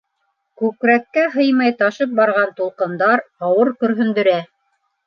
Күкрәккә һыймай ташып барған тулҡындар ауыр көрһөндөрә.